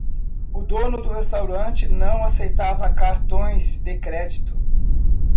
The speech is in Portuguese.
O dono do restaurante não aceitava cartões de crédito.